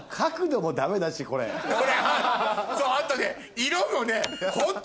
あとね。